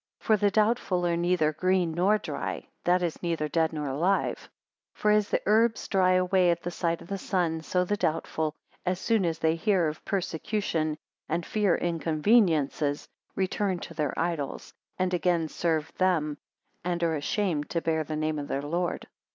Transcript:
For the doubtful are neither green nor dry; that is neither dead nor alive. 196 For as the herbs dry away at the sight of the sun, so the doubtful, as soon as they hear of persecution, and fear inconveniencies, return to their idols, and again serve them, and are ashamed to bear the name of their Lord.